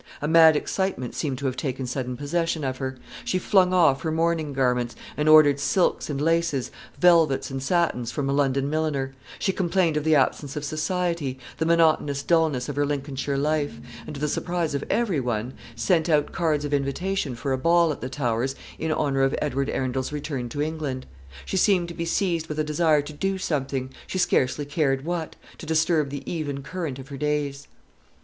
A mad excitement seemed to have taken sudden possession of her. She flung off her mourning garments, and ordered silks and laces, velvets and satins, from a London milliner; she complained of the absence of society, the monotonous dulness of her Lincolnshire life; and, to the surprise of every one, sent out cards of invitation for a ball at the Towers in honour of Edward Arundel's return to England. She seemed to be seized with a desire to do something, she scarcely cared what, to disturb the even current of her days.